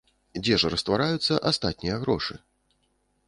Дзе ж раствараюцца астатнія грошы?